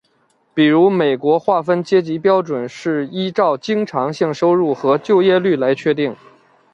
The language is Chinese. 比如美国划分阶级标准是依照经常性收入和就业率来确定。